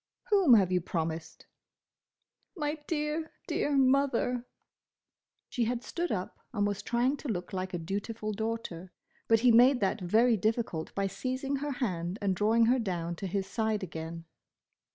"Whom have you promised?" "My dear, dear Mother." She had stood up and was trying to look like a dutiful daughter. But he made that very difficult by seizing her hand and drawing her down to his side again.